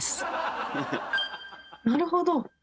なるほど。